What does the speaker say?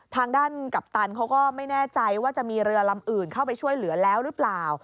ทางด้านกัปตันเขาก็ไม่แน่ใจว่าจะมีเรือลำอื่นเข้าไปช่วยเหลือแล้วหรือเปล่า